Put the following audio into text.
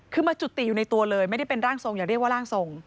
คือมาจุติอยู่ในตัวเลยไม่ได้เป็นร่างทรงอย่าเรียกว่าร่างทรง